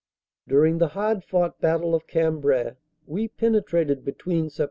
During the hard fought Battle of Cambrai we penetrated between Sept.